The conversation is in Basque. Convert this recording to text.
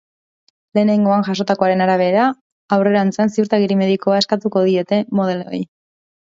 Lehenengoan jasotakoaren arabera, aurrerantzean ziurtagiri medikoa eskatuko diete modeloei.